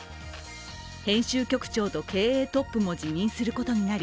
編集局長と経営トップも辞任することになり